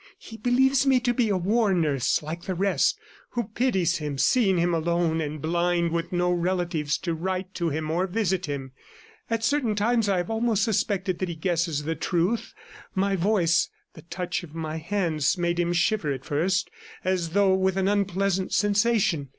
... He believes me to be a war nurse, like the rest, who pities him seeing him alone and blind with no relatives to write to him or visit him. ... At certain times, I have almost suspected that he guesses the truth. My voice, the touch of my hands made him shiver at first, as though with an unpleasant sensation.